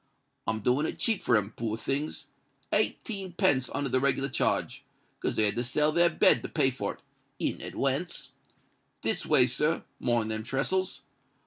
I'm doing it cheap for 'em, poor things—eighteen pence under the reg'lar charge, 'cause they had to sell their bed to pay for it—in adwance. This way, sir: mind them trestles.